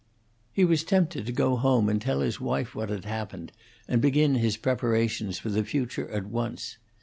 He was tempted to go home and tell his wife what had happened, and begin his preparations for the future at once.